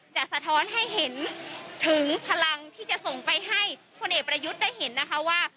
สะท้อนให้เห็นถึงพลังที่จะส่งไปให้พลเอกประยุทธ์ได้เห็นนะคะว่า